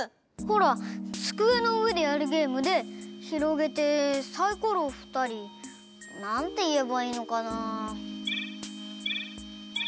ほらつくえのうえでやるゲームでひろげてサイコロをふったりなんていえばいいのかなあ。